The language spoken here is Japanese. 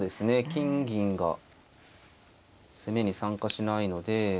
金銀が攻めに参加しないので。